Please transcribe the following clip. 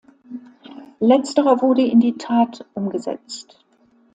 Letzterer wurde in die Tat umgesetzt.